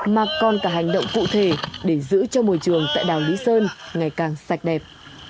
mà còn cả hành động cụ thể để giữ cho môi trường tại đảo lý sơn ngày càng sạch đẹp